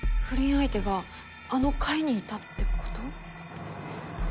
不倫相手があの会にいたって事？